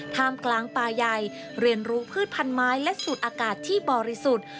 ท่ามกลางป่าใหญ่เรียนรู้พืชพันไม้และสูตรอากาศที่บริสุทธิ์